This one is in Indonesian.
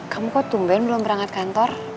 kamu kok tumben belum berangkat kantor